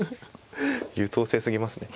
優等生すぎますね。